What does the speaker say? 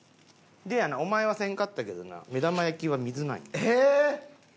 でやなお前はせんかったけどな目玉焼きは水なんよ。ええーっ！